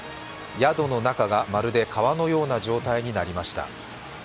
宿の中が、まるで川のような状態になりました。